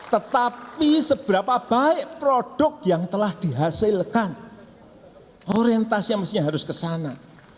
tetapi seberapa baik produk yang telah dihasilkan orientasinya harus kesana